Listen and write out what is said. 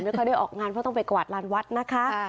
ค่อยได้ออกงานเพราะต้องไปกวาดลานวัดนะคะ